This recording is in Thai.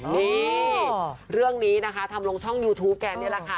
นี่เรื่องนี้นะคะทำลงช่องยูทูปแกนี่แหละค่ะ